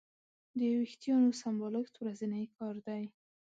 د وېښتیانو سمبالښت ورځنی کار دی.